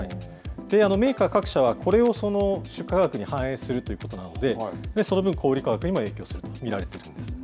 メーカー各社は、これを出荷価格に反映するということなので、その分、小売り価格にも影響すると見られているんです。